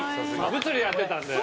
物理やってたので。